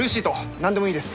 何でもいいです。